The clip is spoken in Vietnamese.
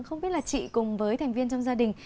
không biết là chị cùng với thành viên trong gia đình